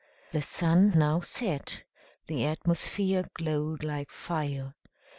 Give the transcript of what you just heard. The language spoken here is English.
The sun now set: the atmosphere glowed like fire.